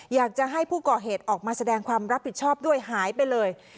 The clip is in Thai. อยากจะให้ผู้ก่อเหตุออกมาแสดงความรับผิดชอบด้วยหายไปเลย